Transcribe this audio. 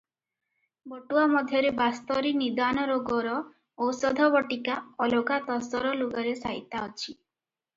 ବଟୁଆ ମଧ୍ୟରେ ବାସ୍ତରୀ ନିଦାନ ରୋଗର ଔଷଧ ବଟିକା ଅଲଗା ତସର ଲୁଗାରେ ସାଇତା ଅଛି ।